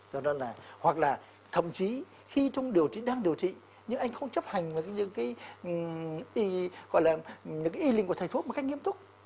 do đó là hoặc là thậm chí khi trong điều trị đang điều trị nhưng anh không chấp hành với những cái gọi là những cái y linh của thầy thuốc một cách nghiêm túc